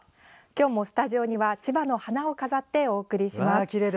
今日もスタジオには千葉の花を飾ってお送りします。